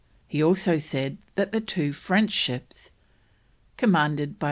He also said that two French ships, commanded by M.